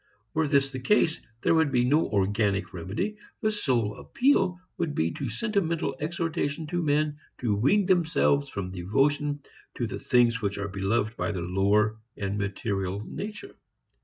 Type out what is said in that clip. Were this the case, there would be no organic remedy. The sole appeal would be to sentimental exhortation to men to wean themselves from devotion to the things which are beloved by their lower and material nature.